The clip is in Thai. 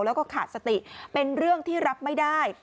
แล้วก็ขาดสติเป็นเรื่องที่รับไม่ได้